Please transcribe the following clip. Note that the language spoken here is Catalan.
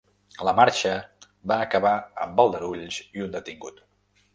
La marxa va acabar amb aldarulls i un detingut.